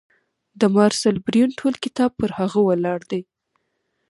د مارسل بریون ټول کتاب پر هغه ولاړ دی.